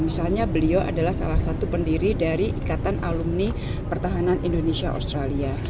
misalnya beliau adalah salah satu pendiri dari ikatan alumni pertahanan indonesia australia